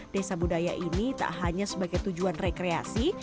desa budaya ini tak hanya sebagai tujuan rekreasi